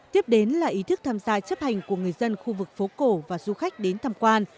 tiếp đến là ý thức tham gia chấp hành của người dân khu vực phố cổ và du khách đến tham quan